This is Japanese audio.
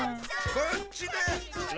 こっちだ。